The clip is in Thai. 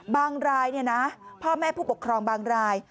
บางรายนี่นะพ่อแม่ผู้ปกครองบางราย